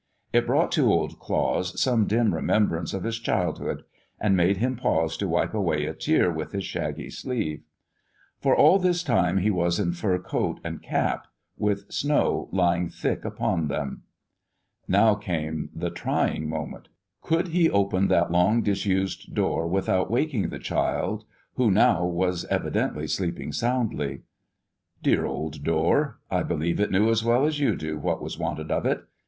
It brought to Old Claus some dim remembrance of his childhood, and made him pause to wipe away a tear with his shaggy sleeve. For all this time he was in fur coat and cap, with snow lying thick upon them. Now came the trying moment. Could he open that long disused door without waking the child, who now was evidently sleeping soundly? Dear old door I believe it knew, as well as you do, what was wanted of it.